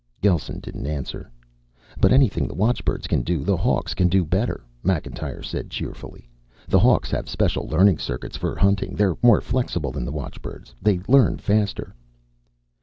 Gelsen didn't answer. "But anything the watchbirds can do, the Hawks can do better," Macintyre said cheerfully. "The Hawks have special learning circuits for hunting. They're more flexible than the watchbirds. They learn faster."